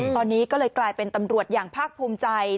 ตอนนี้ก็เลยกลายเป็นตำรวจอย่างภาคภูมิใจ